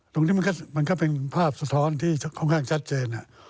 มันก็เป็นภาพสะท้อนที่ค่อนข้างชัดเจน